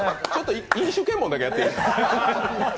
飲酒検問だけやっていいですか？